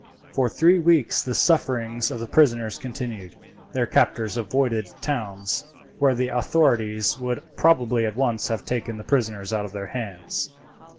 For three weeks the sufferings of the prisoners continued. Their captors avoided towns, where the authorities would probably at once have taken the prisoners out of their hands.